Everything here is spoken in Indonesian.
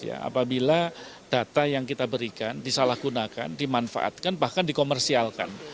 apabila data yang kita berikan disalahgunakan dimanfaatkan bahkan dikomersialkan